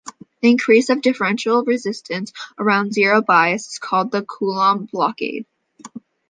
The increase of the differential resistance around zero bias is called the Coulomb blockade.